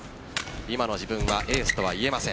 今の自分はエースとは言えません。